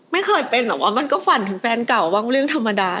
ไม่เคยเป็นหรอกว่ามันก็ฝันถึงแฟนเก่าบ้างเรื่องธรรมดา